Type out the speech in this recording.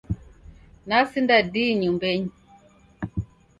Nasinda di nyumbenyi